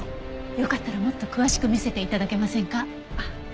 よかったらもっと詳しく見せて頂けませんか？